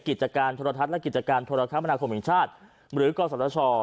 กิจการธรรมทัศน์และกิจการธรรมนาคมแห่งชาติหรือกรสัตว์ธช